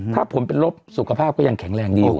ถ้าผลเป็นลบสุขภาพก็ยังแข็งแรงดีอยู่